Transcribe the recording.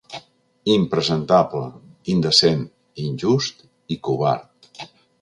Impresentable, indecent, injust i covard.